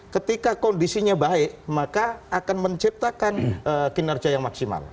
ketika kondisinya baik maka akan menciptakan kinerja yang maksimal